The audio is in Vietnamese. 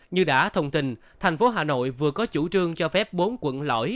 như đã thông tin thành phố hà nội vừa có chủ trương cho phép bốn quận lõi